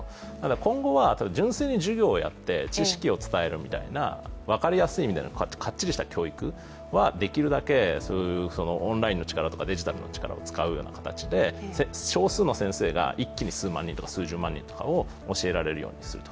今後は純粋に授業をやって知識を伝えるみたいな分かりやすい意味での、かっちりした教育はできるだけオンラインの力とかデジタルの力を使うような形で少数の先生が一気に数万人とか数十万人を教えられるようにすると。